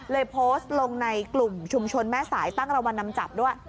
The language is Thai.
โพสต์ลงในกลุ่มชุมชนแม่สายตั้งรางวัลนำจับด้วย